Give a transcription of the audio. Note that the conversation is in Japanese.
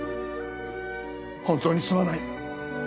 本当にすまない！